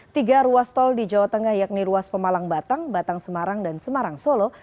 tiga ruas tol di jawa tengah yakni ruas pemalang batang batang semarang dan semarang solo